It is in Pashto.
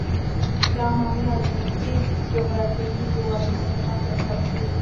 دا معمولاً د نږدې جغرافیایي هیوادونو ترمنځ ترسره کیږي